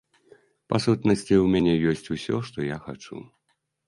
Па сутнасці, у мяне ёсць усё, што я хачу.